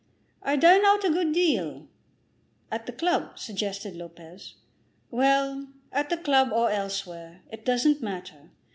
"I dine out a good deal." "At the club," suggested Lopez. "Well; at the club or elsewhere. It doesn't matter.